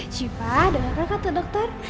syifa dalam rakat tuh dokter